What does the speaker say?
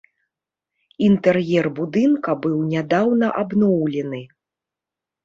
Інтэр'ер будынка быў нядаўна абноўлены.